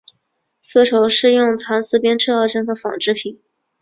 丝绸是用蚕丝编制而成的纺织品。